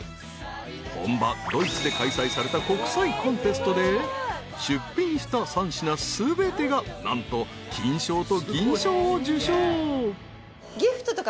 ［本場ドイツで開催された国際コンテストで出品した３品全てが何と金賞と銀賞を受賞］